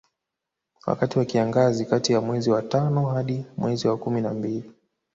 Wakati wa kiangazi kati ya mwezi wa tano hadi mwezi wa kumi na mbili